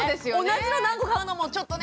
同じの何個買うのもちょっとね。